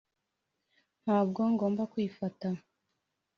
ntabwo ngomba kwifata.